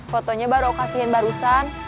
fotonya baru aku kasihin barusan